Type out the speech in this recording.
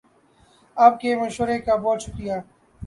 آپ کے مشورے کا بہت شکر یہ